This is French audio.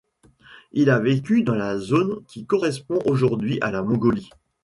Il a vécu dans la zone qui correspond aujourd'hui à la Mongolie.